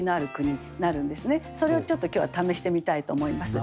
それをちょっと今日は試してみたいと思います。